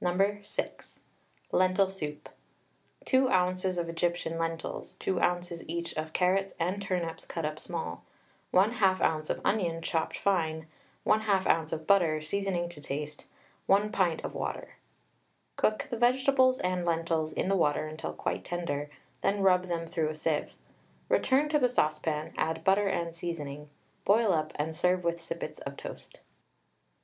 No. 6. LENTIL SOUP. 2 oz. of Egyptian lentils, 2 oz. each of carrots and turnips cut up small, 1/2 oz. of onion chopped fine, 1/2 oz. of butter, seasoning to taste, 1 pint of water. Cook the vegetables and lentils in the water until quite tender, then rub them through a sieve. Return to the saucepan, add butter and seasoning, boil up, and serve with sippets of toast.